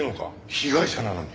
被害者なのに。